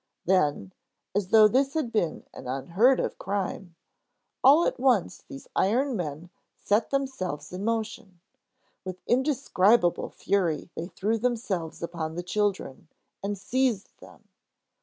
Then—as though this had been an unheard of crime—all at once these iron men set themselves in motion. With indescribable fury they threw themselves upon the children, and seized them!